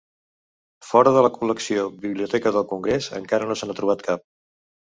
Fora de la col·lecció Biblioteca del Congrés, encara no se n'ha trobat cap.